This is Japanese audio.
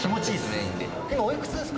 今おいくつですか？